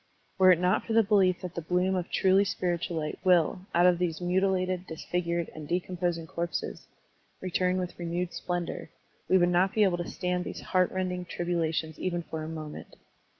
Were it not for the belief that the bloom of truly spiritual light will, out of these muti lated, disfigured, and decomposing corpses, return with renewed splendor, we would not be able to stand these heart rending tribulations even for a moment.